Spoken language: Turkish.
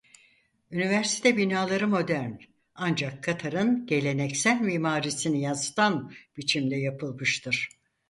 Üniversite binaları modern ancak Katarın geleneksel mimarisini yansıtan biçimde yapılmıştır.